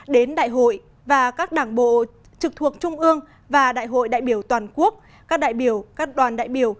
đến đại hội và các đảng bộ trực thuộc trung ương và đại hội đại biểu toàn quốc các đại biểu các đoàn đại biểu